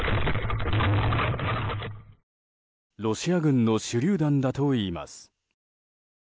ロシア軍の手りゅう弾だといいます。